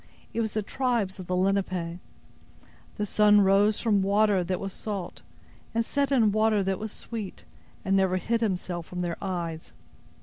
"It was the tribes of the Lenape! The sun rose from water that was salt, and set in water that was sweet, and never hid himself from their eyes.